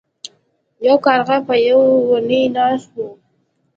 یو کارغه په یو ونې ناست و.